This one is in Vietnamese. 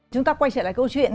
chúng ta quay trở lại câu chuyện